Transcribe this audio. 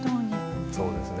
そうですね。